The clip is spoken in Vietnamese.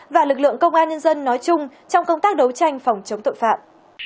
và lực lượng công an nhân dân nói chung trong công tác đấu tranh phòng chống tội phạm